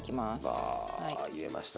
わ入れました。